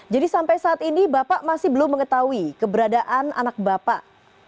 jadi sampai saat ini bapak masih belum mengetahui keberadaan anak bapak